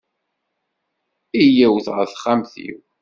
Iyyawet ɣer texxamt-iw.